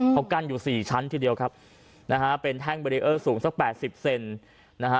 เขากั้นอยู่สี่ชั้นทีเดียวครับนะฮะเป็นแท่งเบรีเออร์สูงสักแปดสิบเซนนะฮะ